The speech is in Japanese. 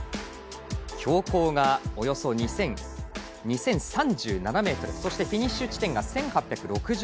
標高がおよそ２０３７ｍフィニッシュ地点が１８６７ｍ。